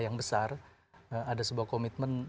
yang besar ada sebuah komitmen